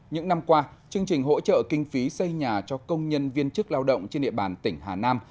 những năm qua chương trình hỗ trợ kinh phí xây nhà cho công nhân viên chức lao động trên địa bàn tỉnh hà nam